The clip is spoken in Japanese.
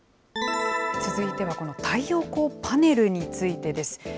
続いてはこの太陽光パネルについてです。